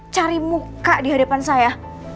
cari muka di hadapan saya